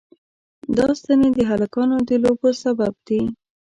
دا ستنې د هلکانو د لوبو سبب دي.